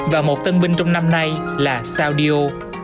và một tân binh trong năm nay là soundio